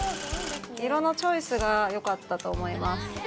色のチョイスがよかったと思います。